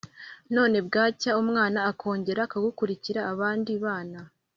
Noneho bwacya umwana akongera agakurikira abandi bana.